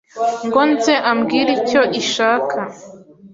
ngo nze ambwire icyo ishaka ,